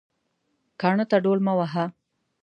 کاڼه ته ډول مه وهه